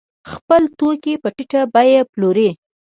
خپل توکي په ټیټه بیه پلوري.